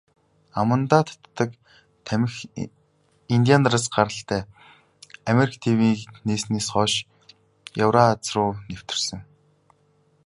Амандаа татдаг тамхи индиан нараас гаралтай, Америк тивийг нээснээс хойно Еврази руу нэвтэрсэн.